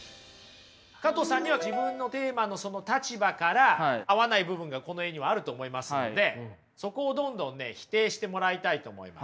加藤さんには自分のテーマのその立場から合わない部分がこの絵にはあると思いますのでそこをどんどんね否定してもらいたいと思います。